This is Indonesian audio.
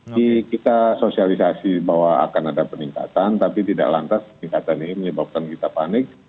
jadi kita sosialisasi bahwa akan ada peningkatan tapi tidak lantas peningkatan ini menyebabkan kita panik